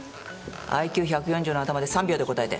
ＩＱ１４０の頭で３秒で答えて。